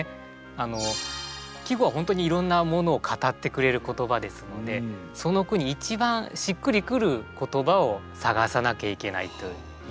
季語は本当にいろんなものを語ってくれる言葉ですのでその句に一番しっくりくる言葉を探さなきゃいけないという意味で。